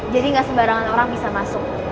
jadi nggak sembarangan orang bisa masuk